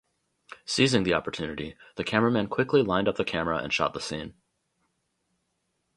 Seizing the opportunity, the cameraman quickly lined up the camera and shot the scene.